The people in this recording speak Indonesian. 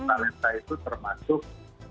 talentanya itu termasuk